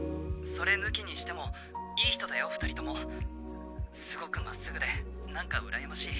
「それ抜きにしてもいい人だよ２人とも」「すごく真っすぐでなんかうらやましい」